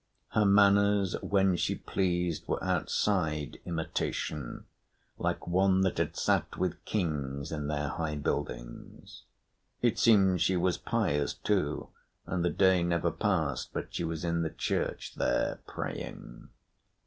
Her manners when she pleased were outside imitation, like one that had sat with kings in their high buildings. It seemed she was pious too, and the day never passed but she was in the church there praying.